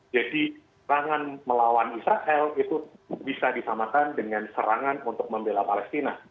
jadi serangan melawan israel itu bisa disamakan dengan serangan untuk membela palestina